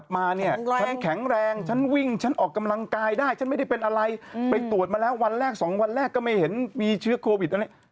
ไปตรวจมาแล้ววันแรก๒วันแรกก็ไม่เห็นมีเชื้อโควิด